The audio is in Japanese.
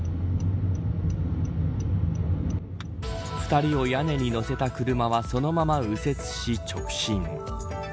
２人を屋根に載せた車はそのまま右折し、直進。